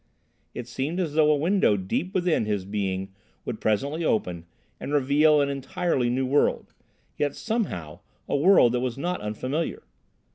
It seemed as though a window deep within his being would presently open and reveal an entirely new world, yet somehow a world that was not unfamiliar.